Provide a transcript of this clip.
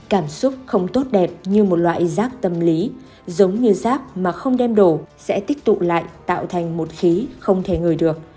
cảm xúc không tốt đẹp như một loại giác tâm lý giống như giác mà không đem đổ sẽ tích tụ lại tạo thành một khí không thể ngửi được